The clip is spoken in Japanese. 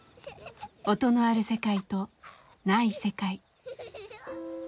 音のある世界とない世界。